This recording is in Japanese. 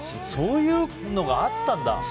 そういうのがあったんだ。